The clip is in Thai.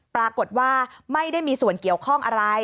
ปรากฏว่าไม่ได้มีส่วนเกี่ยวข้องอะไร